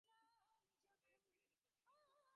আমাদের ফিরে যেতে হবে।